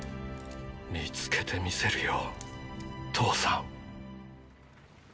見つけてみせるよ父さん。